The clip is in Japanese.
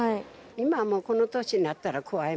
今もうこの年になったら。